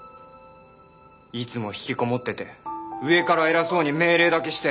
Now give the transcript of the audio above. いつもひきこもってて上から偉そうに命令だけして。